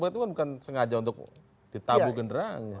itu kan bukan sengaja untuk ditabuh genderangnya